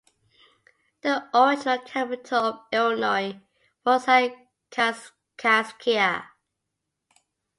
The original capital of Illinois was at Kaskaskia.